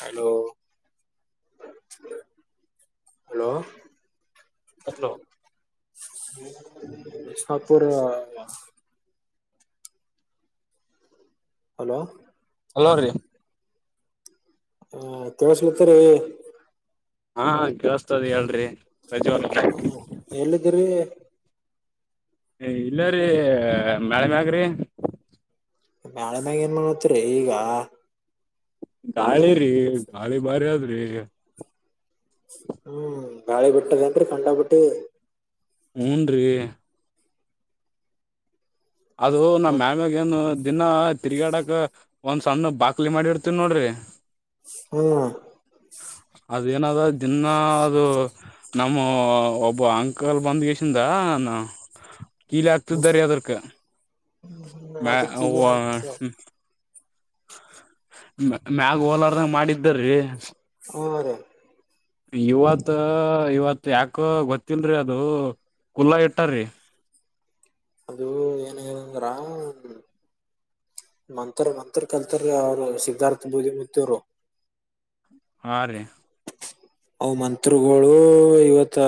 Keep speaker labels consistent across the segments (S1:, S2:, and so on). S1: Hello? [unintelligible] Hello? [unintelligible]
S2: Hello? [unintelligible]
S1: ಸಾಪುರ? [unintelligible] Hello? [unintelligible]
S2: Hello ರೀ [unintelligible]
S1: ಹೂ ಕೇಳಸ್ತಿರಿ. [unintelligible]
S2: ಹಾ ಹ ಕೇಳಸ್ತದ ಹೇಳ್ರಿ ರಜವಾಲ [unintelligible]
S1: ಎಲ್ಲಿದ್ದೀರಿ
S2: ಏ ಇಲ್ಲರೀ ಮ್ಯಾಳ್ ಮ್ಯಾಗರಿ. [unintelligible]
S1: ಮ್ಯಾಳ್ ಮ್ಯಾಗ ಏನ್ ಮಾಡತ್ರಿ ಈಗ? [unintelligible]
S2: ಗಾಳಿ ರೀ ಗಾಳಿ ಬಾರಿ ಅದದ್ರಿ. [unintelligible]
S1: ಹೂ ಗಾಳಿ ಬಿಟ್ಟಾದ ಏನ್ರಿ ಕಂಡಾ ಪಟ್ಟಿ. [unintelligible]
S2: ಹೂ ಅನ್ ರೀ [unintelligible] ಅದು ನಮ್ಮ
S1: ಮತ್
S2: ಮ್ಯಾಮ್ಯಾಗ ಏನು? [unintelligible] ದಿನ್ನ ತಿರ್ಗಾಡಕ್ ಒಂದ್ ಸಣ್ಣ ಬಾಕ್ಲಿ ಮಾಡಿರ್ತನ್ ನೋಡ್ರಿ. [unintelligible]
S1: ಹೂ ಅ [unintelligible]
S2: ಅದ ಏನದ ದಿನ್ನ ಅದು ನಮ್ಮ [unintelligible] ನಮೊ ಒಬ್ಬ ಅಂಕಲ್ ಬಂದಗಸಿಂದ ನಾ ಕೀಲಿ ಹಾಕ್ತಿದ್ದರಿ ಅದಕ್ಕ. [unintelligible] ಮ್ಯಾ
S1: ಅದಕ್ ಇಲಿ
S2: ಅವ್ವ?
S1: ಹಾಕ್ತ
S2: [unintelligible] ಮ್ಯಾ ಮ್ಯಾಗ ಹೋಲಾರದಂಗ ಮಾಡಿದ್ದರೀ. [unintelligible]
S1: ಹೂ ರೀ [unintelligible]
S2: ಇವತ್ತ ಇವತ್ತ ಯಾಕ ಗೊತ್ತಿಲ್ರಿ ಅದು. [unintelligible] ಕುಲ್ ಇಟ್ಟಾರಿ. [unintelligible]
S1: ಅದು ಏನ್ ಹೇಳ್ ಅಂದರ್ [unintelligible] ಮಂತರ ಮಂತರ್ ಕಲ್ತಾರಿ ಅವರು ಸಿದ್ಧಾರ್ಥ ಬೂದಿ ಮುತ್ತೆವರು. [unintelligible]
S2: ಹಾ ರಿ [unintelligible]
S1: ಅವ ಮಂತ್ರುಗಳು ಇವತ್ತ [unintelligible]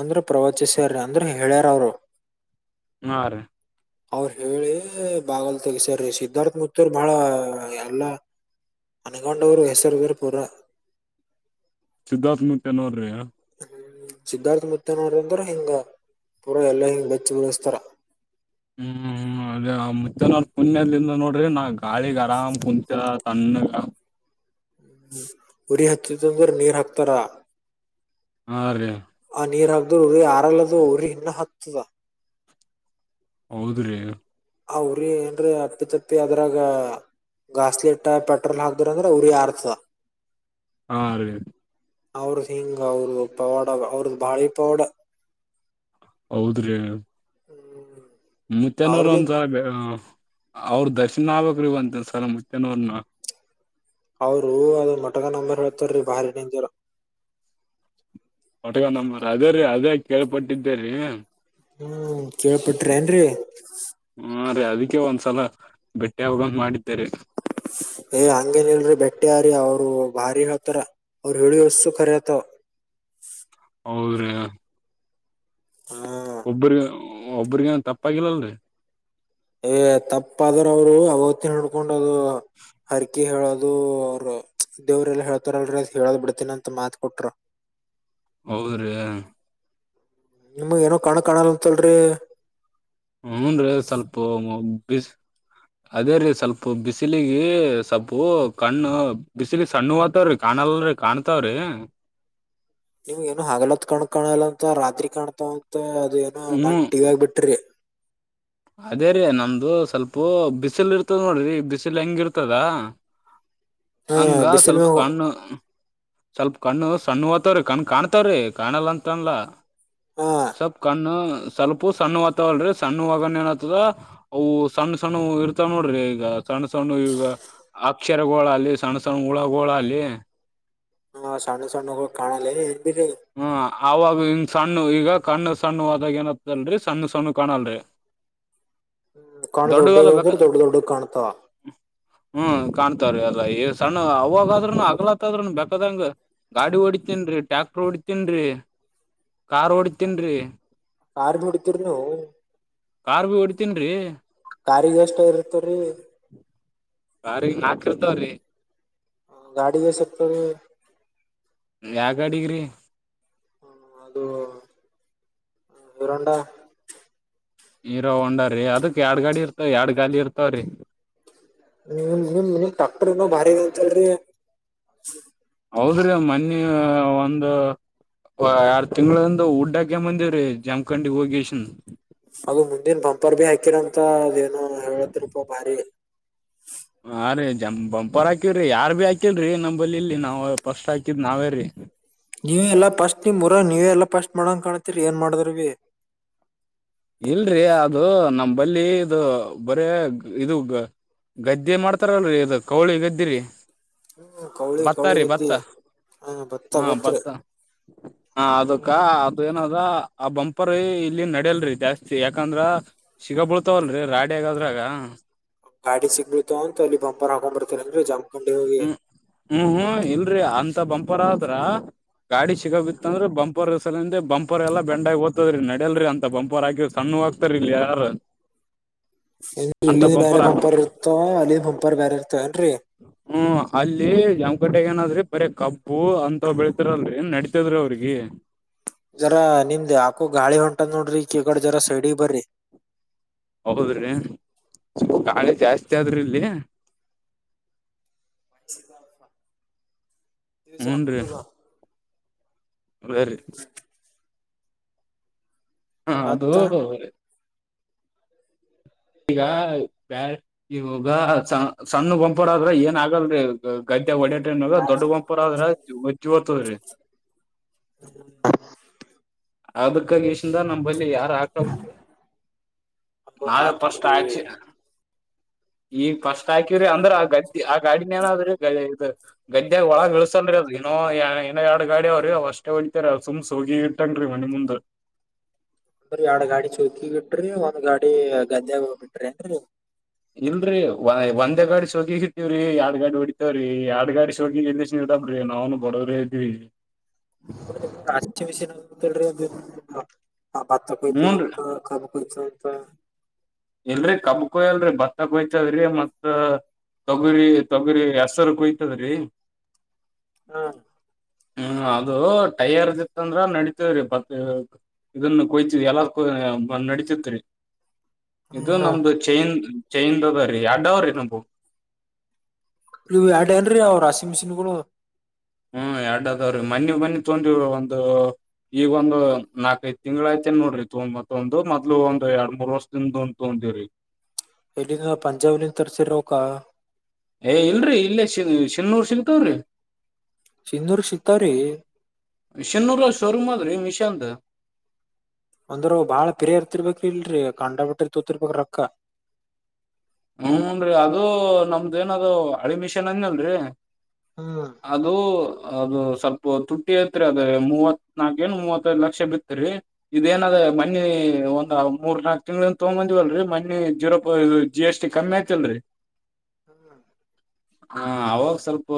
S1: ಅಂದರ ಪ್ರವಚಿಸ್ಯಾರೀ ಅಂದ್ರೆ ಹೇಳ್ಯಾರ ಅವರು. [unintelligible]
S2: ಹಾ ರೀ [unintelligible]
S1: ಅವರ ಹೇಳಿ ಬಾಗಲ್ ತೆಗಸಾರೀ ಸಿದ್ಧಾರ್ಥ ಮುತ್ತೂರ್ ಬಾಳ ಎಲ್ಲಾ? [unintelligible] ಅನಗೊಂಡವರು ಹೆಸರುಗರು ಪೂರ. [unintelligible]
S2: ಸಿದ್ಧಾರ್ಥ ಮುತ್ಯನಅವರಾಯ್? [unintelligible]
S1: ಸಿದ್ಧಾರ್ಥ ಮುತ್ತನವರ ಅಂದ್ರ ಹಿಂಗ ಪೂರಾ ಎಲ್ಲಾ ಹಿಂಗ ಬೆಚ್ಚಗ ಉಳಸ್ತಾರ. [unintelligible]
S2: ಹೂ ಹೂ [unintelligible] ಹ ಅದೇ ಮೂತ್ತೆವರ ಪುಣ್ಯದಿಂದ ನೋಡ್ರಿ ನಾ ಗಾಳಿಗ್ ಆರಾಮ್ ಕುಂತ ತಣ್ಣಗ [unintelligible]
S1: ಉರಿ ಹಚ್ಚಿತ್ ಅಂದ್ರ ನೀರ್ ಹಾಕ್ತಾರ. [unintelligible]
S2: ಹಾ ರೀ [unintelligible]
S1: ಆ ನೀರ್ ಹರದ್ರರು ಉರಿ ಆರಲ್ಲದು ಉರಿ ಇನ್ನ ಹತ್ತದ. [unintelligible]
S2: ಹೌದ ರೀ [unintelligible]
S1: ಆ ಉರಿ ಏನಂರ ಅಪ್ಪಿ ತಪ್ಪಿ ಅದ್ರಾಗ [unintelligible] ಗಾಸ್ಲೆಟ್ ಪೆಟ್ರೋಲ್ ಹಾಕದ್ದರ ಉರಿ ಆರತ್ತದ [unintelligible]
S2: ಹಾರಿ [unintelligible]
S1: ಅವರ ಹಿಂಗ ಅವರೂ ಪವಾಡ ಅವರದ ಬಾಳಿ ಪವಾಡ. [unintelligible]
S2: ಹೌದ ರೀ [unintelligible]
S1: ಹ್ಮ್
S2: ಮೂತ್ಯನರು
S1: ಅವ್ರಲಿಂತ್
S2: ಅಂದರ್ ಆಗಲೇ [unintelligible] ಅವರ ಕಸಿನ್ ಆಗಬೇಕ ರೀ ಒಂದ ದಿವಸ ನಮ್ಮ ಮೂತ್ಯನವರನಾ [unintelligible]
S1: ಅವರು ಅದ ಮಟ್ಟಗ ನಂಬರ್ ಹೇಳ್ತಾರ್ರಿ ಬಾರಿ ಡೇಂಜರ್ [unintelligible]
S2: ಮಟ್ಟಗ ನಂಬರ ರಗರ ಅದೇ ಕೇಳ್ಪಟ್ಟಿದ್ದೇರಿ. [unintelligible]
S1: ಹೂ ಕೇಳ್ಪಿಟ್ರಿ ಏನ್ರರಿ. [unintelligible]
S2: ಹಾ ರೀ ಅದಕ್ಕೆ ಒಂದ್ಸಲ ಬೆಟ್ಟೆ ಆಗಬೇಕು ಅಂತಾ ಮಾಡಿದ್ದೇರಿ. [unintelligible]
S1: ಏ ಹಂಗೇನ್ ಇಲ್ರಿ ಬೆಟ್ಟಿಯಾರಿ ಅವ್ರು ಭಾರಿ ಹತರ ಅವರು ಹೇಳಿಳಿ ವಸ್ಸುಖರತ
S2: ಹ್ಮ್
S1: ಹಾ
S2: ಒಬ್ರಗ ಒಬ್ಬ್ರಗನ್ ತಪ್ಪಾಗಿಲ್ಲಲ್ರಿ
S1: ತಪ್ಪ ಆದ್ರ ಅವರು ಅವತ್ತಿನ ಹುಡ್ಕೊಂಡ್ ಅದು ಹರಿಕ ಅ ಹೇಳೋದು ಅವ ದೇವ್ರ ಎಲ್ಲಾ ಹೇಳ್ತಾರಲ್ರ ಅ ಹೇಳೋದ್ ಬಿಡ್ತನಂತ ಮಾತ್ ಕೊಟ್ರ
S2: ಹೌದು ರೀ
S1: ನಿಮಗ್ ಏನೋ ಕಾಣ ಕಾಣಲ್ಲಂತಲ್ರಿ
S2: ಹ್ಮ ರಿ ಸ್ವಲ್ಪ ಬ ಅದೇ ರೀ ಸ್ವಲ್ಪ ಬಿಸಿಲಿಗೆ ಸ್ವಪು ಕಣ್ಣು ಬಿಸಿಲ ಸಣ್ಣ ಹತವ್ರೀ ಕಾಣ ನನಲ್ರರಿ ಕಾಣ್ತಾವ್ರಿ
S1: ನಿಮ್ ಏನು ಹ ಹಾಗಲ್ಲತ್ ಕಣ ಕಾಣಲ್ಲಂತ ರಾತ್ರಿ ಕಾಣ್ತಂತ ಅ ಏನೋ ಮನ್
S2: ಹ್ಮ್
S1: ಟಿವಿ ಆಗ ಬಿಟ್ರಿ
S2: ಅದೇ ರೀ ನಮ್ದು ಸ್ವಲ್ಪ ಬಿಸಿಲ್ ಇರ್ತದ ನೋಡ್ರಿ ಬಿಸಿಲ್ ಹೆಂಗಿರ್ತದ
S1: ಹಾ
S2: ಹಂಗ
S1: ಬಿಸಿಲ್
S2: ಸ್ವಲ್ಪ
S1: ಮ್ಯಾಗ
S2: ಕಣ್ಣು ಸ್ವಲ್ಪ ಕಣ್ಣು ಸಣ್ಣ ಓತವ್ರೀ ಕಣ್ಣ್ ಕಾಣ್ತವ್ರೀ ಕಾಣಲ್ಲಂತನ್ಲ್ಲ
S1: ಹಾ
S2: ಸಬ್ ಕಣ ಸ್ವಲ್ಪ ಸಣ್ಣ ಹತವಲ್ರರಿ ಸಣ್ಣವಗನ ಏನತದ ಅವು ಸಣ್ಣ ಸಣ್ಣ ಇರ್ತಾವ ನೋಡ್ರಿ ಈಗ ಸಣ್ಣ ಸಣ್ಣ ಈಗ ಅಕ್ಷರಗೋಳ ಅ ಸಣ್ಣ ಸಣ್ಣ ಹುಳಗೋಳಲ್ಲಿ
S1: ಹಾ ಸಣ್ಣ ಸಣ್ಣ ಹೋಗ ಕಾಣಲ್ಲ ಬಿರಿ
S2: ಹ್ಮ ಆಾಗ ಹಂಗ್ ಸಣ್ಣ ಈಗ ಕಣ್ಣು ಸಣ್ಣ ಆದಾಗ ಏನತ್ತಲ್ರರಿ ಸಣ್ಣ ಸಣ್ಣ ಕಾಣಲ್ರಿ
S1: ಹ್ಮ್ ಕಣ ದೊಡ್ಡ
S2: ದೊಡ್ಡಲ್ಲ ಬೇಕ
S1: ಅಂದ್ರ ದೊಡ್ಡ ದೊಡ್ಡ ಕಾಣ್ತಾವ
S2: ಹ್ಮ್ ಕಾಣ್ತವ್ರೀ ಅಲ್ಲಾ ಈ ಸಣ್ಣ ಅವಾಗಾದ್ರರುನು ಅಗ್ಲತ್ತದ್ರೂನು ಬೇಕದಂಗ ಗಾಡಿ ಓಡಿತೀನ್ ಟ್ರ್ಯಾಕ್ಟರ್ ಓಡಿತೀನ್ರಿ ಕಾರ್ ಹೊಡತೀನ್ ರೀ
S1: ಕಾರ್ ನೋಡಿತಿರಿ ನೀವು
S2: ಕಾರ್ ಭ ಹೊಡಿತನ್ೀ
S1: ಕಾರಿಗೆ ಎಷ್ಟ ಇರ್ತರಿ
S2: ಅ ನಾಕರ್ತವ್ರೀ
S1: ಗಾಡಿ ಎ ಸಕ್ತ
S2: ಯಾಗ ಗಡಗ್ರಿ
S1: ಹ್ಮ ಅದು ಹೀರೋ ಹೊಂಡ
S2: ನೀರೋ ಹಂಡ್ರಿ ಅದಕ್ ಎರಡ್ ಗಾಡಿ ಇರ್ತಾವ ಎರಡ್ ಗಾಲ ಇರ್ತವ್ರಿ
S1: ನೀ ನೀಮ ನಿ ಟಾಕ್ಟರ್ ಏನೋ ಭಾರಿಂತರಿ
S2: ಹೌದ್ರೀ ಮನ್ನಿ ಒಂದು ಎರ್ ತಿಂಗಗಳಂದು ಡ್ಡಾಕಂಬ ಬಂದಿವವ್ರೀ ಜಮಖಂಡಿ ಹೋಗಿನ್
S1: ಅದು ಮುಂದಿನ ಪಂಪರ್ ಬಿ ಹಾಕಿರಂತ ಅದೇನು ಹೇಳತ್ಪ ಬಾರಿ
S2: ಹಾ ರೀ ಜಂ ಬಂಪರ್ ಹಾಕವ್ರಿ ಯಾರ್ ಭಿ ಹಾಕಿಲ್ರರಿ ನಮ್ಮಂಬಲಿ ಇಲ್ಲಿ ನಾವ್ ಫಸ್ಟ್ ಹಾಕಿದ್ ನಾವೇ ರೀ
S1: ನೀವಲ್ಲ ಫಸ್ಟ್ ನಿಮ್ಮ ಬರ ನೀವೇಲ್ಲ ಫಸ್ಟ್ ಮಾಡಂಗ ಕಾಣ್ತಿರಿ ಏನ್ ಮಾಡಿದ್ರವಿ
S2: ಇಲ್ರಿ ಅದು ನಮ್ಮಂಬಲ್ಲಿ ಇ ಬರೇ ಇದು ಗದ್ದೆ ಮಾಡ್ತಾರಲ್ರರಿ ಅದು ಕೌಳಿ ಗದ್ದಿರಿ
S1: ಹ್ಮ ಕೌಳಿ
S2: ಭತ್ತ
S1: ಕೌಳಿ
S2: ರೀ
S1: ಇದ್ದ
S2: ಭತ್ತ ಹಾ ಭತ್ತ ಹ ಅದಕ್ಕ
S1: ಹ್ಮ್
S2: ಅದು ಏನದ ಆ ಬಂಪರ್ ಇಲ್ಲಿ ನಡೆಯಲ್ರಿ ಜಾಸ್ತಿ ಯಾಕಂದ್ರ ಸಿಗ ಬಳ್ತಾವಲ್ರರಿ ರಾಡಿಿಯಗಾದ್ರಾಗ
S1: ಗಾಡಿ ಸಿಗ್ ಬಿಡ್ತವ ಅಂತ ಅಲ್ಲಿ ಬಂಪರ್ ಹಕೊಂಡ್ಂಬರ್ತಾರೆ ಅಂದ್ರೆ ಜಂಪ್
S2: ಹ್ಮ್ ಹ್ಮ್ ಹ್ಮ್ ಇಲ್ರಿ ಅಂತ ಬಂಪರ್ ಆದ್ರ ಗಾಡಿ ಸಿಗ ಬಿತ್ತ ಅಂದ್ರೆ ಬಂಪರ್ ಬಂಪರ್ ಎಲ್ಲ ಬೆಂಡಗ ಓ್ತದ್ರೀ ನಡ್ಯಲ್ರಿ ಅಂತ ಬಂಪರ್ ಆಗಿ ಸಣ್ಣು ಹಾಗ್ತಾರ ಇಲ್ಲಿ ಯಾರ
S1: ಏನ್
S2: ಅಂತ
S1: ಇಲ್ಲಿಂದ ಬೇರೆ
S2: ಬಂಪರ್
S1: ಹೊಂಪಾರ್ ಇರ್ತ ಅಲ್ಲಿಂದ ಹೊಂಪಾರ್ ಬೇರೆ ಇರ್ತ ನ್ರರಿ
S2: ಹ್ಮ ಅಲ್ಲಿ ಯಮ್ಗಟ್ಟಗ ಏನಾದ್ರಿ ಬರ ಕಬ್ಬು ಅಂತ ಬೆಳತರಲ್ರರಿ ನಡತದ್ರಿ ಅವ್ರಿಗೆ [inaudible]
S1: ಜರಾ ನಿಮ್ದ್ ಆಾಕೋ ಗಾಳಿ ಹೊಂಟದ ನೋಡ್ರಿ ಕೆಗಡೆ ಜರ ಸೈಡ ಬರ್ರಿ
S2: ಹೌದ್ರಿ ಗಾಳಿ ಜಾಸ್ತಿ ಆದ್ರಿ ಇಲ್ಲಿ
S1: ಸರ ಬದ
S2: ಹರಿ ಹ ಅದು
S1: ಮತ್ತ
S2: ಈಗ ಬಳ್ ಇವಾಗ ಸಣ್ಣ ಗಂಪಡ ಆದ್ರ ಏನ್ ಆಗಲ ಗದ್ದ ಮ ಒಡ ಟ್ರನ್ಗ ದೊಡ್ಡ ಬಂಪರ್ ಆದ್ರ ಜತದ್ರಿೀ ಅದಕ್ಕಾಗಿಷಿಂದ ನಮ್ಮ ಬಲ್ಲಿ ಯಾರ ಹಾಕ
S1: ಅವು
S2: ನಾವೇ
S1: ಹಾಕ್ರಿ
S2: ಕಷ್ಟ ಆಯಚು ಈಗ ಫಸ್ಟ್ ಹಾಕವ್ರಿ ಅಂದ್ರ ಆ ಗದ್ದೆ ಆ ಗಾಡಿನ ಏನದ್ರೀ ಗ ಇದ್ ಗದ್ದ್ಯಾಗ ಒಳಗ ಇಳಸತನ್್ರಿ ಅದ ಇನ್ನೋ ಇಏೋ ಎರಡು ಗಾಡಿ ಅವ್ರರು ಅವ್ ಅಷ್ಟೇ ಹೊಡಿತತಾರೆ ಅವ ಸುಮ್ ಸೋಗಿ ಇಟ್ಟನ್ರಿ ಮನಿ ಮುಂದ
S1: ಬ ಅವ ಗಾಡಿ ಚೌಕಿ ಬಿಡ್ರಿ ಒಂದ್ ಗಾಡಿ ಗದ್ದೆಾಗ ಹೋಗ್ಬ ಬಿಟ್ರಿ ಏನ್ರಿ
S2: ಇಲ್ರರಿ ಒಂದೇ ಗಾಡಿ ಸೋಗಿ ಇತೇವ್ರಿ ಎರಡ್ ಗಾಡಿ ಹೊಡಿತೇವ್ರೀ ಎರಡ್ ಗಾಡಿ ಸೋಗಿ ಇಲ್ಲ ಬ್ರಿ ನಾವನು ಬಡೋದ್ರೇ ಇದ್ವಿ
S1: ಮಿಸಿಿನ ಭತ ಕೊ
S2: ಹ್ಮನ್
S1: ಹತ್ತ ಅತಾ
S2: ಎಲ್ರರಿ ಕಬ್ಕಯ್ ಅಲ್ರಿ ಬತ್ ಕೊಯ್ತದ್ರಿ ಮತ್ ತೊಗುರಿ ತೊಗುರಿ ಹೆಸರು ಕೊಯ್ತದ್ರಿ
S1: ಹ್ಮ
S2: ಹ್ಮ್ ಅದು ಟೈಯರ್ದ ಇತ್ತಂದ್ರ ನಡತೇವ್ರಿ ಬ ಇದನ್ನು ಕೊಯ್ತ ಎಲ್ಲ ನಡತಿರ್ತಾರೆ
S1: ಹ್ಮ್
S2: ಇದು
S1: ಹಾ
S2: ನಮ್ದು ಚೈನ್ ಚೈನ್ದ್ರೀ ಎಡ್ಡವ್ರಿ ನಮು
S1: ನೀವು ಎಡ ಏನ್ರೀ ಅವ ರಾಷಿಂಗ್ ಮಿಷಿನ್ ಗಳು
S2: ಹ್ಮ್ ಎರಡು ಅದಾವ್ರೀ ಮನ್ನಿ ಮನ್ನಿ ತೊಂದ ಒಂದು ಈಗ ಒಂದು ನಾಲ್ಕ್ ಐದ ತಿಂಗ್ಗಳ ಐತೇನ್ ನೋಡ್ರಿ ತಂಬತ್ ಒಂದು ಮೊ್ಲು ಒಂದು ಎರಡ್ ಮೂರ್ ವರ್ಷದಿಂದ ಉಂಟು ಂದರ
S1: ಇಲ್ಲಿಂದ ಪಂಜಾಬ್ಲಿಂದ ತರ್ಸಿರವಕ್ಕ
S2: ಏ ಇಲ್ರರಿ ಇಲ್ಲೇ ಶಿನ್ನೂರ್ ಸಿಗ್ತಾವ್ರಿ
S1: ಸಿನ್ನೂರು ಶತ ರೀ
S2: ಶಿನ್ನೂರ ಶೋರೂಮ್ ಆದ್ರಿ ಮಿಷ ಅಂತ
S1: ಒಂದರು ಬಾಳ ಪಿರಿಯ ಇರ್ತಿರ್ಬೇಕ ಇಲ್ರರಿ ಕಾಂಡ ಬಿಟ್ಟ್ರಿರ್ತೋತಿರ್ಬೇಕ ರೊಕ್ಕ
S2: ಅೇನದು ಅಡಿಮಿಷನ್ ಅನ್ಲ್ರಿ
S1: ಹ್ಮ್
S2: ಅದು ಅದು ಸ್ವಲ್ಪ ತುಟ್ಟಿ ಐತ್ರಿ ಅದೇ ಮೂವತ್ ನಾಕ ಏ ಮೂವತ್ತೈ್ ಲಕ್ಷ ಬಿತ್ತರಿ ಇದೇಏನ ಅದೇ ಮಣಿ ಒಂದ್ ಮೂರ್ ನಾಕಕ್ ತಿಂಗಳಿಂದ ತೊಗೊಂಬಂದೀವಲ್ರರಿ ಮಣಿ ಜೀರೋಪ್ ಜಿ ಎಸ್ ಟಿ ಕಮ್ಮಿ ಐತಿಲ್ರಿ
S1: ಹ್ಮ
S2: ಹ ಅವಾಗ ಸ್ವಲ್ಪ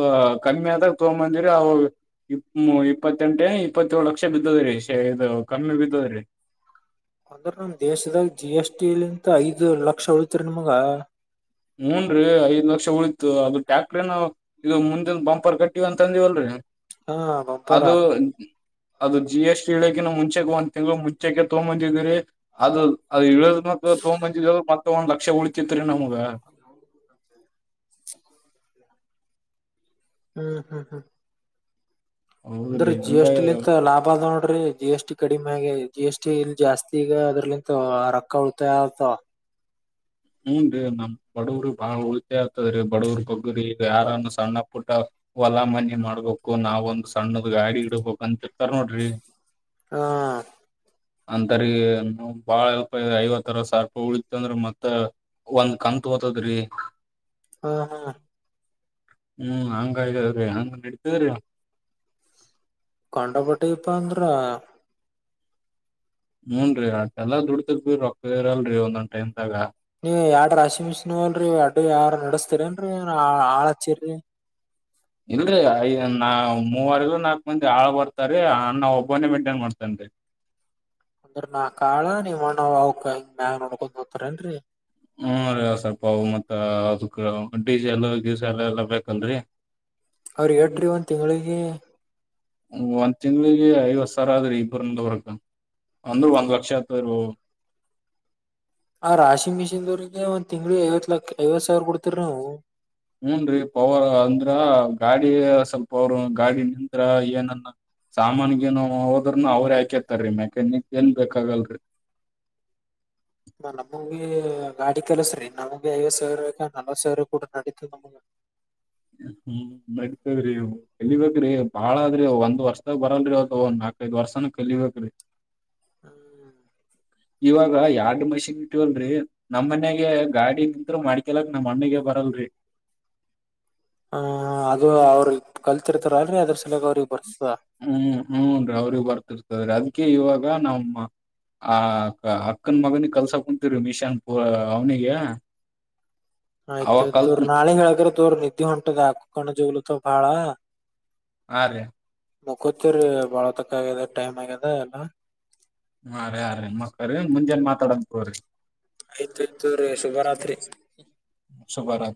S2: ಕಮ್ಮಿ ಆದ ಆದಾಗ ತಗಂಬಂದಿರಿ ಅವ ಇಪ್ಪ ಇಪ್ಪತ್ತೆಂಟೆ ಇಪ್ಪತ್ತಏೇಳು ಲಕ್ಷ ಬಿದ್ದದ್ರೀ ಇ ಕಮ್ಮಿ ಬಿದ್ದದ್ರೀ
S1: ಅಂದ್ರ ನಮ್ ದೇಶದಾಗ ಜಿ ಎಸ್ ಟಿಲಿಂತ ಐದ್ ಲಕ್ಷ ಉಳತ್ರಿ ನಿಮಗ
S2: ಹೂನ್ರಿ ಐದ್ ಲಕ್ಷ ಉಳಿತು ಅದು ಟ್ಯಾಕ್ಟ್ರ ಏನ ಇದು ಮುಂದಿನ ಬಂಪರ್ ಕಟ್ಟಿವವ ಅಂತ ಅಂದಿವವಲ್ರರಿ
S1: ಹಾ ಬಂಪಾರಾ
S2: ಅದು ಜಿ ಎಸ್ ಟ ಇ ಹೇಳಕಿ ನ ಮುಂಚೆ ಒಂದ ತಿಂ್ಳ ಮುಂಚೆ ತಗೊಂದಿದೀ್ರರಿ ಅದ ಅದು ಇಳದ ಮ ತಗೊಂಬಂದಿದ ಮತ್ತ ಒಂದ್ ಲಕ್ಷ ಉಳತಿತ್ರಿ ನಮಗ
S1: ಹ್ಮ್ ಹ್ಮ್ ಹ್ಮ್ ಅಂದ್ರೆ
S2: ಹೌದ್ರಿ
S1: ಜಿ
S2: ಹಂಗ
S1: ಎಸ್ ಟಿಲಿಂತ ಲಾಭ ನೋ ್ರೀ ಜಿ ಎಸ್ಟಿ ಕಡಿಮೆ ಆಗ ಜಿ ಎಸ್ ಟಿ ಇಲ್ ಜಾಸ್ತಿ ಈಗ ಅದ್ರಲಿಂತ ರೊಕ್ಕ ಉಳತಾ ಆತ
S2: ಹ್ಮನ್ ರೀ ನಮ್ ಬಡುವ್ರ ಬಾಳ ಉಳಿತೆ ಆಗ್ತದ್ರೀ ಬಡವ್ರ ಬಗ್ಗರಿಗ ಯಾರನ್ನ ಸಣ್ಣ ಪುಟ್ಟ ಹೊಲಾ ಮನಿ ಮಾಡ್ಬೇಕು ನಾವ್ ಒಂದ್ ಸಣ್ಣದ್ ಗಾಡಿ ಇಡ್ಬಕ್ ಅಂತ ಇರ್ತಾರ ನೋಡ್ರಿ.
S1: ಹಾ
S2: ಅಂತರಿಗೆ ಬಾಳ ಎಲ್ಟ್ ಐವತ್ತರ ಸರ್ಪ ಉಳತ್ ಅಂದ್ರೆ ಮತ್ ಒಂದ್ ಕಂತ್ ಹೊತದ್ರಿ.
S1: ಹಾ ಹಾ
S2: ಹ್ಮ್ ಹಂಗ ಇದಾವ್ರೀ ಹಂಗ ನಡಿತದ್ರಿ.
S1: ಕಂಡ ಬಟ್ಟಿಪ ಅಂದ್ರ.
S2: ಹೂನ್ ರಿ ಎಲ್ಲಾ ದುಡ್ತಿರ್ ರೊಕ್ಕ ಇರಲ್ರರಿ ಒಂದಂದ್ ಟಮ್ದಾಗ.
S1: ನೀ ಎಡ್ ರಾಶಿ ಮಿಶಿನ್ ಅಲ್ರರಿ ಅಡ್ ಯಾರ ನಡಸ್ತೀರಿನ್ರರಿ ಹಾಳ ಹಚ್ಚಿರಿ.
S2: ಇಲ್ರರಿ ಐ ನಾ ಮೂವರ್ ನಾಲ್ಕ್ ಮಂದಿ ಹಾಳ ಬರ್ತಾರೀ ಅನ್ನ ಒಬ್ಬನೇ ಮೇಂಟೈನ್ ಮಾಡ್ತೇನ್ ರಿ [inaudible]
S1: ಅಂದ್ರ ನಾ ಕಾಳ ನೀವ ಅಣ್ಣ ಅವಕ ಹಂಗ ಮ್ಯಾಗ ನೋಡ್ಕೊಂಡ ಹೋಗ್ತಾರೇಏನ್ರರಿ.
S2: ಹ್ಮ ರೀ ಸ್ವಲ್ಪವು ಮತ್ತ ಡಿಜಿ ಎಲ್ಲ ದಿವಸ ಎಲ್ಲ ಎಲ್ಲಾ ಬೇಕನ್ರರಿ.
S1: ಅವ್ರ ಎಟ್ರಿ ಒಂದ ತಿಂಗಳಿಗೆ.
S2: ಒಂದ್ ತಿಂಗ್ಳಿಗೆ ಐವತ್ ಸಾವ್ರ ಆದ್ರಿ ಇಬ್ಬರ [unintelligible] ಅಂದ್ರು ಒಂದ್ ಲಕ್ಷ ಆತದ್ದ್ರು.
S1: ಆ ರಾಷಿಂಗ್ ಮಿಷಿನ್ ದವ್ರಿಗೆ ಒಂದ್ ತಿಂಗ್ಳು ಐವತ್ ಲಕ್ಷ ಐವತ್ ಸಾವಿರ ಕೊಡ್ತರ ನಾವು.
S2: ಹೂನ್ ರೀ ಪವರ್ ಅಂದ್ರ ಗಾಡಿ ಸ್ವಲ್ಪ ಅವರು ಗಾಡಿ ನಿಂತ ಏನನ್ನ. ಸಾಮಾನಗೇನು ಹೋದ್ರನು ಅವ್ರ ಹಾಕೇತಾರೀ ಮೆಕ್ಯಾನಿಕ್ ಏನ್ ಬೇಕಾಗಲ್ರರಿ. [inaudible]
S1: ನನ್ ಒಬ್ಬುಗೆ ಗಾಡಿ. ಸ್ರೀ ನಮ್ಗೆ ಐವತ್ ಸೇರಾ ನಲ್ವತ್ ಸೇರು ಕೊಡ್ರು ನಡಿತ ನಮ್ಗ.
S2: ಹ್ಮ ನಡಿತವ್ರಿ [unintelligible] ಬಾಳದ್ರಿ ಒಂದ್ ವರ್ಷದಾಗ ಬರಲ್ರಿ ಅವ [unintelligible] ಐದ್ ವರ್ಷಾನ ಕಲಿಬೇಕ್ರಿ.
S1: ಹ
S2: ಇವಾಗ ಎರಡ್ ಮಷಿನ್ ಇಟ್ಟವಲ್ಲ್ರಿ ನಮ್ಮ ಮನೆಗೆ ಗಾಡಿ ನಿಂತು ಮಾಡ್ಕಲಕ್ ನಮ್ಮಣ್ಣಗೆ ಬ ಬರಲ್ ರಿ
S1: ಹ ಅದು ಅವ್ರು ಕಲ್ತಿರ್ತಾರ ಅದ್ ಅದ್ರ ಸಲಾಗಿ ಅವ್ರ
S2: ಹ್ಮ್ ಹ್ಮ ರೀ ಅವ್ರಿಗ್ ಬರ್ತಿರ್ತದ್ರೀ ಅದ್ಕೇ ಇವಾಗ ನಮ್ಮ ಆ ಅಕ್ಕನ್ ಮಗನಿಗ್ ಕಲ್ಸಾ ಕುಂತೀರೀ ಮಿಶಾನ್ ಪು ಅವ್ನಿಗೆ. ಅವ ಕಲ್ತ್
S1: ಆಯ್ತುತೋರ್ ನಾಳೆ ಹೇಳಗ್ರ ತೊಗರಿ ನಿದ್ದೆ ಹೊಂಟದ ಏಕ ಕಣ್ ಜವ್ಲುತ್ತವ್ ಬಾಳ.
S2: ಹಾ ರೀ
S1: ಮುಕೋತಿವ್ರೀ ಬಾಳ ತಕ ಆಗ್ಯದ ಟೈಮ್ ಆಗ್ಯದ ಎನ.
S2: ಅರಿ ಅರಿ ಮಕ್ಕೊರಿ ಮುಂಜನ್ ಮಾತಾಡನ್ ತೂಗೊರಿ.
S1: ಆಯ್ತ್ ಆಯ್ತು ರೀ ಶುಭರಾತ್ರಿ.
S2: ಶುಭಾರ